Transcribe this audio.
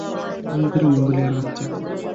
অহংকারী মঙ্গলিয়ার বাচ্চা!